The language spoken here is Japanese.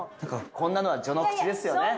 こんなのは序の口ですよね。